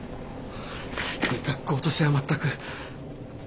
学校としては全く。